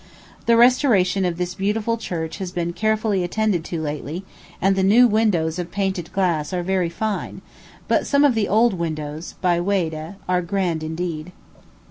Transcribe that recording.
The restoration of this beautiful church has been carefully attended to lately, and the new windows of painted glass are very fine; but some of the old windows, by Weyde, are grand indeed.